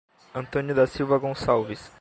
Antônio da Silva Goncalves